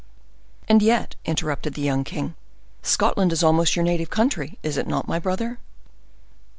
"And yet," interrupted the young king, "Scotland is almost your native country, is it not, my brother?"